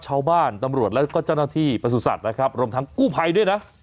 ชาวบ้านตำรวจแล้วก็เจ้าหน้าที่ประสุทธิ์นะครับรวมทั้งกู้ภัยด้วยนะ